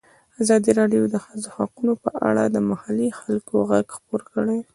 ازادي راډیو د د ښځو حقونه په اړه د محلي خلکو غږ خپور کړی.